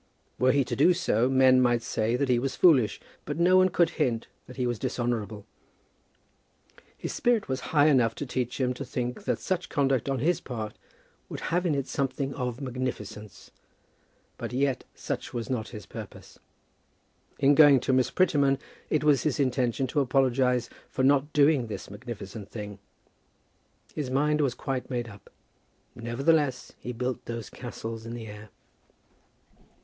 Were he to do so, men might say that he was foolish, but no one could hint that he was dishonourable. His spirit was high enough to teach him to think that such conduct on his part would have in it something of magnificence; but, yet, such was not his purpose. In going to Miss Prettyman it was his intention to apologize for not doing this magnificent thing. His mind was quite made up. Nevertheless he built those castles in the air.